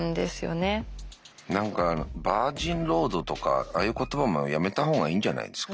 何かバージンロードとかああいう言葉もやめた方がいいんじゃないですか。